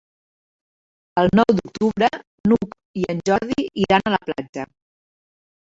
El nou d'octubre n'Hug i en Jordi iran a la platja.